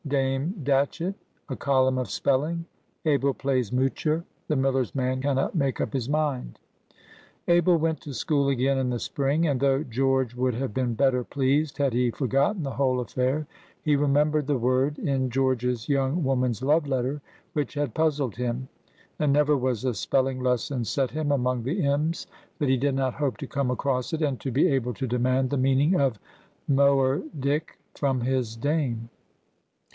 —DAME DATCHETT.—A COLUMN OF SPELLING.—ABEL PLAYS MOOCHER.—THE MILLER'S MAN CANNOT MAKE UP HIS MIND. ABEL went to school again in the spring, and, though George would have been better pleased had he forgotten the whole affair, he remembered the word in George's young woman's love letter which had puzzled him; and never was a spelling lesson set him among the M's that he did not hope to come across it and to be able to demand the meaning of Moerdyk from his Dame.